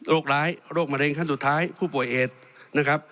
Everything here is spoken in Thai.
ร้ายโรคมะเร็งขั้นสุดท้ายผู้ป่วยเอดนะครับ